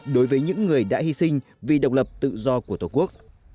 đối với những người đã hy sinh vì độc lập tự do của tổ quốc